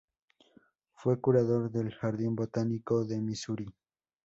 Fue curador del Jardín Botánico de Misuri.